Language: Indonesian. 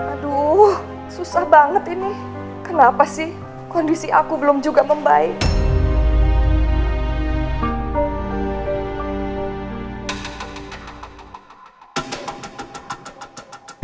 aduh susah banget ini kenapa sih kondisi aku belum juga membaik